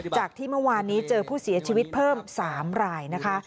จากที่เมื่อวานนี้เจอผู้เสียชีวิตเพิ่ม๓รายนะคะ